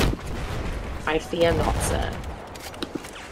I fear not, sir.